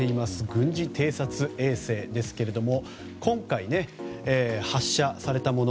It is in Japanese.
軍事偵察衛星ですけれども今回、発射されたもの